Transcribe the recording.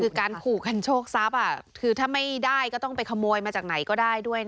คือการขู่กันโชคทรัพย์คือถ้าไม่ได้ก็ต้องไปขโมยมาจากไหนก็ได้ด้วย